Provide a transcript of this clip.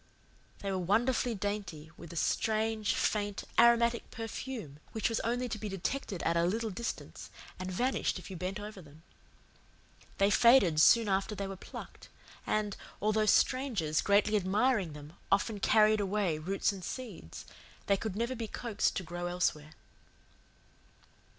They were wonderfully dainty, with a strange, faint, aromatic perfume which was only to be detected at a little distance and vanished if you bent over them. They faded soon after they were plucked; and, although strangers, greatly admiring them, often carried away roots and seeds, they could never be coaxed to grow elsewhere.